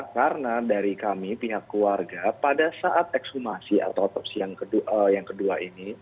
karena dari kami pihak keluarga pada saat ekshumasi atau otopsi yang kedua